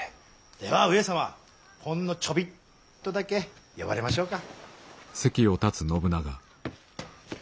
では上様ほんのちょびっとだけ呼ばれましょうか。